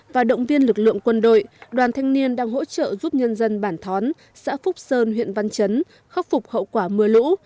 và động viên lực lượng quân đội đoàn thanh niên đang hỗ trợ giúp nhân dân bản thón xã phúc sơn huyện văn chấn khắc phục hậu quả mưa lũ